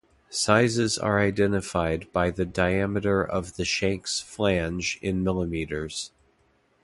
Sizes are identified by the diameter of the shank's flange in millimeters.